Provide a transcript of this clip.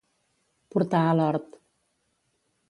Portar a l'hort.